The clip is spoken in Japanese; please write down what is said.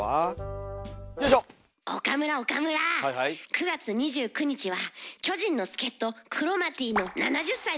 ９月２９日は巨人の助っ人クロマティの７０歳の誕生日です！